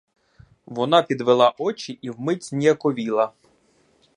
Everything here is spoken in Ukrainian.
Вона підвела очі і вмить зніяковіла.